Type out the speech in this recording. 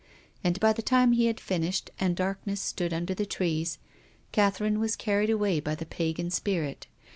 And by the time ho had fin ished and darkness stood under tlie trees, Cath erine was carried away by the pagan spirit.